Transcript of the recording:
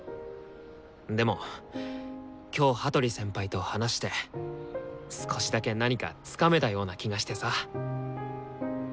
でも今日羽鳥先輩と話して少しだけ何かつかめたような気がしてさ。